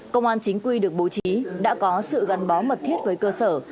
công an chính quy được bố trí đã có sự gắn bó mật thiết với cơ sở